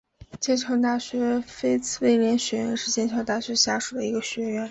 剑桥大学菲茨威廉学院是剑桥大学下属的一个学院。